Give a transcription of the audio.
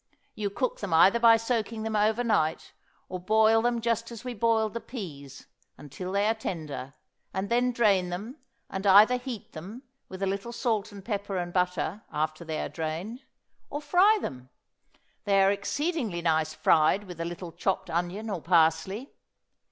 You cook them either by soaking them over night, or boil them just as we boiled the peas, until they are tender, and then drain them, and either heat them, with a little salt and pepper and butter, after they are drained, or fry them. They are exceedingly nice fried with a little chopped onion or parsley.